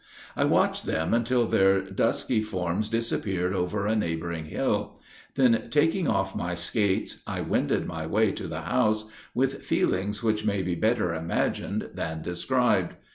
I watched them until their dusky forms disappeared over a neighboring hill; then, taking off my skates, I wended my way to the house, with feelings which may be better imagined than described.